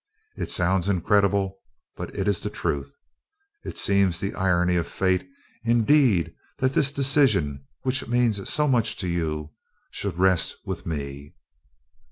It sounds incredible, but it is the truth. It seems the irony of Fate indeed that this decision, which means so much to you, should rest with me."